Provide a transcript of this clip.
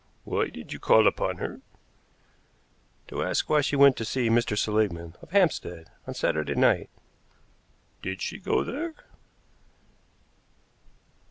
"Why did you call upon her?" "To ask why she went to see Mr. Seligmann, of Hampstead, on Saturday night." "Did she go there?"